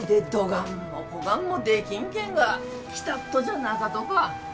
がんもできんけんが来たっとじゃなかとか？